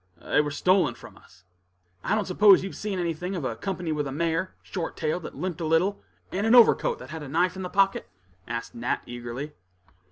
"They were both stolen from us." "I don't s'pose you've seen anything of a company with a mare, short tailed, that limped a little, and an overcoat that had a knife in the pocket?" asked Nat, eagerly.